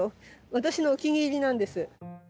私のお気に入りなんです。